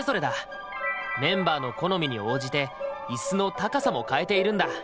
メンバーの好みに応じてイスの高さも変えているんだ。